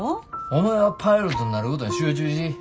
お前はパイロットになることに集中し。